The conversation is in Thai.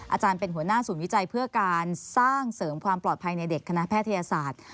อาจารย์เป็นหัวหน้าศูนย์วิจัยเพื่อการสร้างเสริมความปลอดภัยในเด็กคณะแพทยศาสตร์